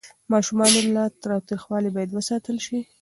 ماشومان له تاوتریخوالي باید وساتل شي.